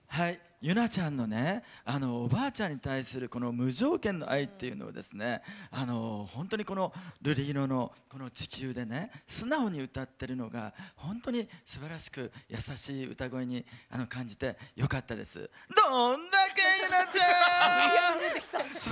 結菜ちゃんのおばあちゃんに対する無条件の愛っていうのを本当に「瑠璃色の地球」で素直に歌ってるのが本当にすばらしく優しい歌声に感じてよかったと思います。